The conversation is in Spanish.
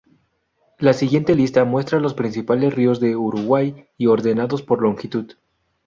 La siguiente lista muestra los principales ríos de Uruguay ordenados por longitud.